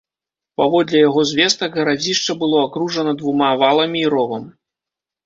Паводле яго звестак, гарадзішча было акружана двума валамі і ровам.